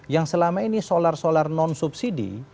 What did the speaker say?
yang selama ini solar solar non subsidi